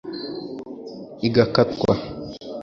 igakatwa !